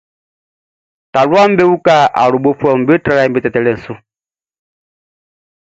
Taluaʼm be uka be awlobofuɛʼm be tralɛʼm be tɛtɛlɛʼn su.